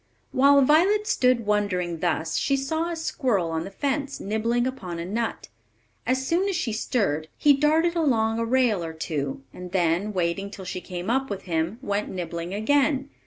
While Violet stood wondering thus, she saw a squirrel on the fence, nibbling upon a nut. As soon as she stirred, he darted along a rail or two, and then, waiting till she came up with him, went nibbling again.